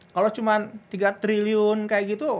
kalau cuma tiga triliun kayak gitu